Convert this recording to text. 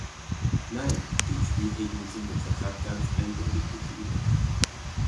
Nein, die Spielregeln sind im Vertrag ganz eindeutig definiert.